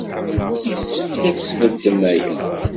Yessefk ad tesbeddem aya.